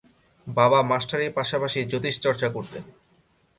বাবা মাস্টারির পাশাপাশি জ্যোতিষচর্চা করতেন।